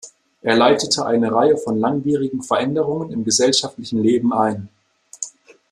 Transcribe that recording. Er leitete eine Reihe von langwierigen Veränderungen im gesellschaftlichen Leben ein.